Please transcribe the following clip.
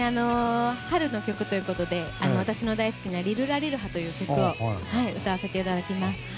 春の曲ということで私の大好きな「リルラリルハ」という曲を歌わせていただきます。